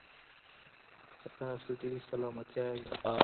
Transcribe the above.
په تاسو دې سلامتيا وي.